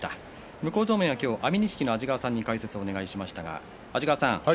向正面は今日は安美錦の安治川さんに解説をお願いしました。